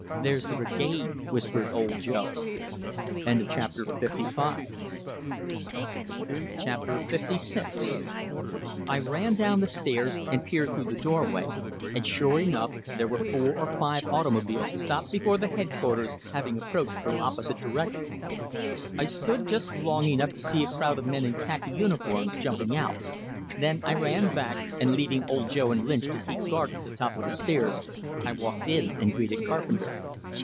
"There's the Brigade!" whispered Old Joe. LVI I ran down the stairs, and peered through the doorway, and sure enough, there were four or five automobiles stopped before the headquarters, having approached from opposite direction. I stood just long enough to see a crowd of men in khaki uniforms jumping out; then I ran back, and leaving Old Joe and Lynch to keep guard at the top of the stairs, I walked in and greeted Carpenter.